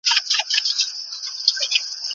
دا لیکنه د خلکو له خوا خوښه شوه.